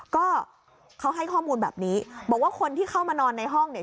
ก็เขาให้ข้อมูลแบบนี้บอกว่าคนที่เข้ามานอนในห้องเนี่ย